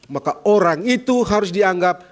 maka orang itu harus dianggap